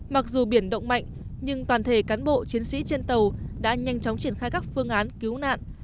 mặc dù biển động mạnh nhưng toàn thể cán bộ chiến sĩ trên tàu đã nhanh chóng triển khai các phương án cứu nạn